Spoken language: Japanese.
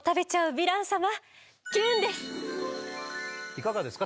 いかがですか？